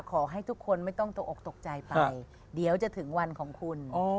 ขอให้ทุกคนไม่ต้องตกออกตกใจไปเดี๋ยวจะถึงวันของคุณ